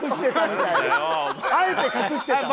あえて隠してたん？